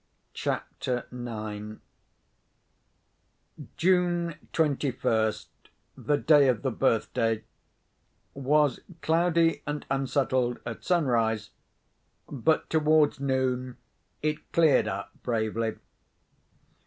CHAPTER IX June twenty first, the day of the birthday, was cloudy and unsettled at sunrise, but towards noon it cleared up bravely.